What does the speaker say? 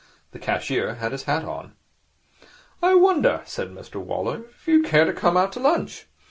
The cashier had his hat on. 'I wonder,' said Mr Waller, 'if you would care to come out to lunch.